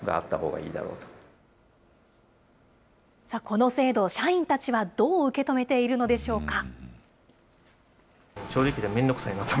この制度、社員たちはどう受け止めているのでしょうか。